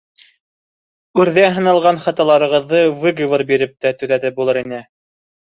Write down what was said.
Үрҙә һаналған хаталарығыҙҙы выговор биреп тә төҙәтеп булыр ине.